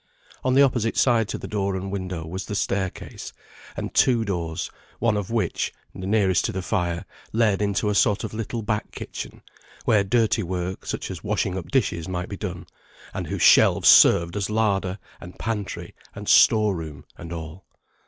On the opposite side to the door and window was the staircase, and two doors; one of which (the nearest to the fire) led into a sort of little back kitchen, where dirty work, such as washing up dishes, might be done, and whose shelves served as larder, and pantry, and storeroom, and all.